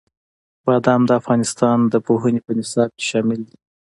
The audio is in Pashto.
بادام د افغانستان د پوهنې په نصاب کې شامل دي.